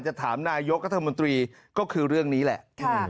จะถามนายกรัฐมนตรีก็คือเรื่องนี้แหละ